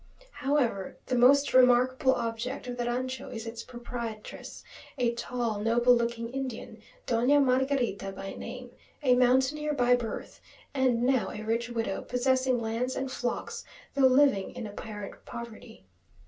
However, the most remarkable object of the rancho is its proprietress, a tall, noble looking Indian, Doña Margarita by name, a mountaineer by birth, and now a rich widow, possessing lands and flocks, though living in apparent poverty.